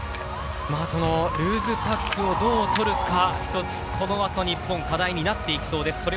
ルーズパックをどう取るか１つ、このあとの日本、課題になってきそうです。